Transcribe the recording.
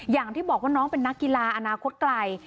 อย่างที่บอกว่าน้องเป็นนักกีฬาอนาคตไกล